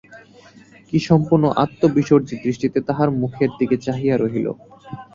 কী সম্পূর্ণ আত্মবিসর্জী দৃষ্টিতে তাঁহার মুখের দিকে চাহিয়া রহিল।